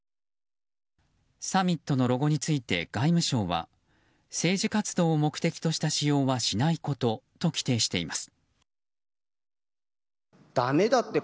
サミットのロゴについて外務省は政治活動を目的とした使用はしないことと規定しています。